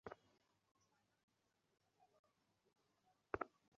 বাছাইপর্বের শুরুতেই পরাজয় অশনিসংকেত বটে, কিন্তু সেটি নিয়ে তোলপাড় হওয়ার কিছু নেই।